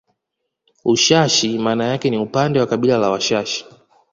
Ushashi maana yake ni upande wa kabila la Washashi